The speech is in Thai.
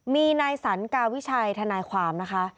มีนายสรรกาวิชัยทนายความนะคะ